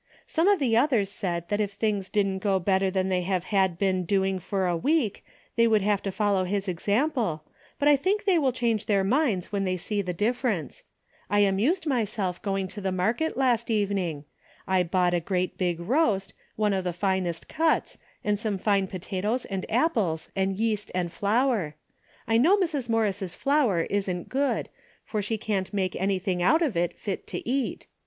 Some of the others said that if things didn't go bet ter than they had been doing for a week they would have to follow his example, but I think they will change their minds when they SQe the difference. I amused myself going to market last evening. I bought a great big roast, one of the finest cuts, and some fine po tatoes and apples and yeast and flour. I know 130 DAILY BATEA^ Mrs. Morris' flour isn't good, for she can't make anything out of it fit to eat.